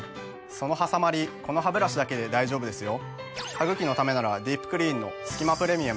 そのはさまりこのハブラシだけで大丈夫ですよ。